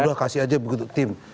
udah kasih aja begitu tim